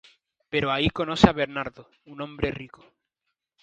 Pero ahí conoce a Bernardo un hombre rico.